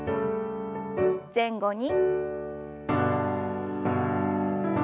前後に。